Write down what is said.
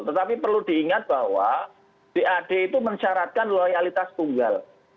tetapi perlu diingat bahwa jad itu mencaratkan loyalitas tunggal